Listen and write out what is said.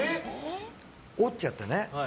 折っちゃってね。